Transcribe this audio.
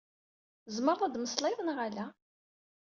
Tzemreḍ ad mmeslayeḍ neɣ ala?